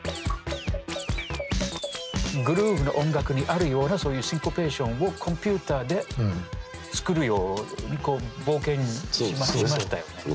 グルーブの音楽にあるようなそういうシンコペーションをコンピューターで作るように冒険しましたよね。